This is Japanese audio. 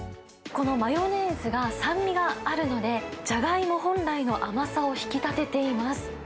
このマヨネーズが酸味があるので、ジャガイモ本来の甘さを引き立てています。